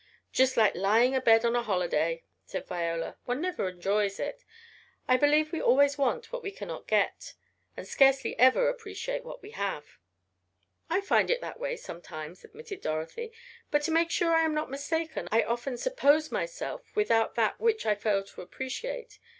"Just like lying abed on a holiday," said Viola, "one never enjoys it. I believe we always want what we cannot get, and scarcely ever appreciate what we have." "I find it that way sometimes," admitted Dorothy, "but to make sure I am not mistaken I often suppose myself without that which I fail to appreciate.